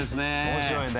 面白いね。